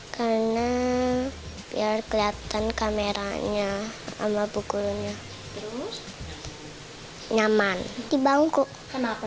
karena biar kelihatan kameranya sama pukulnya nyaman di bangku kenapa